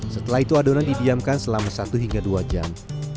setelah itu adonan didiamkan selama satu hingga dua jam